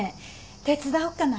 手伝おうかな。